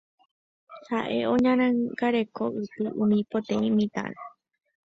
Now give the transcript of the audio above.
ha'e oñangareko ypy umi poteĩ mitãre